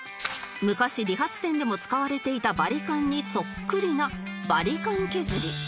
昔理髪店でも使われていたバリカンにそっくりなバリカン削